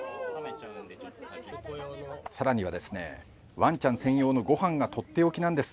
さらには、ワンちゃん専用のごはんがとっておきなんです。